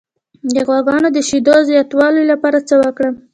د غواګانو د شیدو زیاتولو لپاره څه وکړم؟